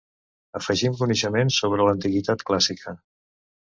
Afegim coneixements sobre l'antiguitat clàssica.